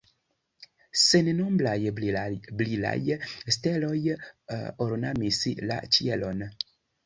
Sennombraj brilaj steloj ornamis la ĉielon.